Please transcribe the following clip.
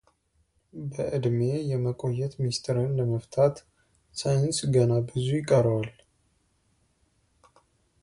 በዕድሜ የመቆየት ምስጢርን ለመፍታት ሳይንስ ገና ብዙ ይቀረዋል።